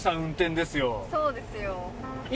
そうですよ。